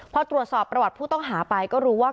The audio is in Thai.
พอตรวจสอบประวัติผู้ต้องหาไปก็รู้ว่า